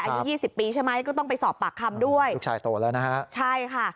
อายุยี่สิบปีใช่ไหมก็ต้องไปสอบปากคำด้วยลูกชายโตแล้วนะฮะใช่ค่ะ